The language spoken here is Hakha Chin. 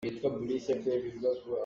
Sam hriahnak ah samthih kan hman.